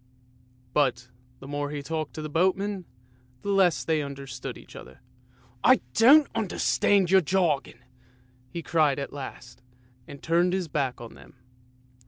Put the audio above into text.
But the more he talked to the boatmen, the less they under stood each other. " I don't understand your jargon," he cried at last, and turned his back on them.